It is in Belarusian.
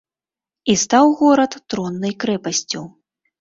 І стаў горад троннай крэпасцю.